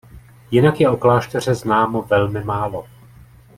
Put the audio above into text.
Jinak je o klášteře známo velmi málo.